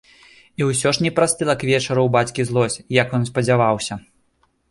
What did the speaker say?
І ўсё ж не прастыла к вечару ў бацькі злосць, як ён спадзяваўся.